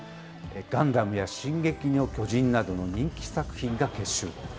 ガンダムや進撃の巨人などの人気作品が結集。